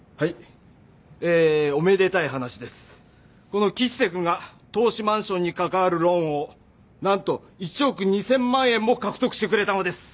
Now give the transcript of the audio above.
この吉瀬くんが投資マンションに関わるローンをなんと１億２０００万円も獲得してくれたのです。